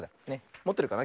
もってるかな？